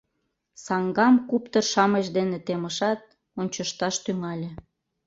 Саҥгам куптыр-шамыч дене темышат, ончышташ тӱҥале.